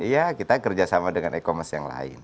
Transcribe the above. iya kita kerjasama dengan e commerce yang lain